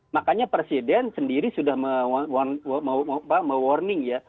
makanya presiden sendiri sudah me warning ya